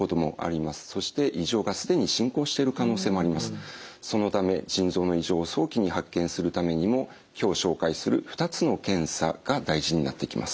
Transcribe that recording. ただそのため腎臓の異常を早期に発見するためにも今日紹介する２つの検査が大事になってきます。